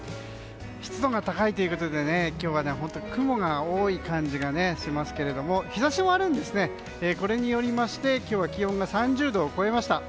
湿度が高いということで今日は本当雲が多い感じがしますけれども日差しもあって、これによって気温が３０度を超えました。